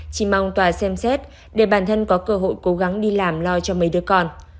chỉ mong tòa xem xét để bản thân có cơ hội cố gắng đi làm lo cho mấy đứa con